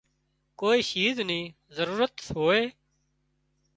ڪوئي شيِز نِي ضرورت هوئي